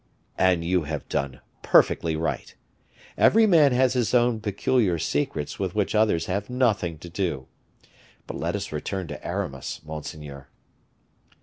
"And you have done perfectly right. Every man has his own peculiar secrets with which others have nothing to do. But let us return to Aramis, monseigneur."